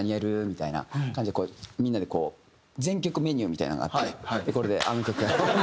みたいな感じでみんなでこう全曲メニューみたいなのがあってでこれで「あの曲やろう」。